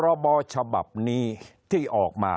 แต่ว่าพรบฉบับนี้ที่ออกมา